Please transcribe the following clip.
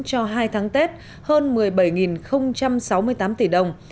cho hai tháng tết hơn một mươi bảy sáu mươi tám tỷ đồng